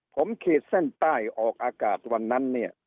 ผมขีดเส้นใต้ออกอากาศวันนั้นเนี่ย